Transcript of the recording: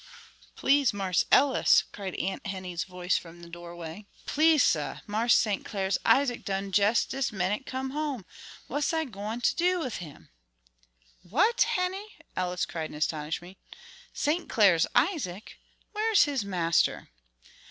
"Please, Marse Ellis!" cried Aunt Henny's voice from the doorway, "please, sah, Marse St. Clar's Isaac done jes' dis minnit come home. What's I gwine ter do wid him?" "What, Henny!" Ellis cried in astonishment; "St. Clair's Isaac? Where's his master?"